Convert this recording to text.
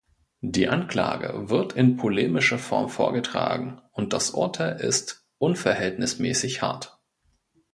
Die Anklage wird in polemischer Form vorgetragen und das Urteil ist unverhältnismäßig hart.